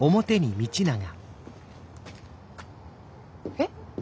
えっ？